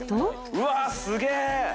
うわすげえ。